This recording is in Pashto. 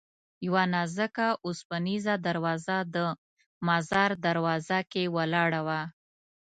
یوه نازکه اوسپنیزه دروازه د مزار دروازه کې ولاړه وه.